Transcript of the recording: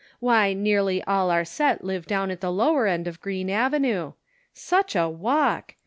Why nearly all our set live down at the lower end of Green Avenue. Such a walk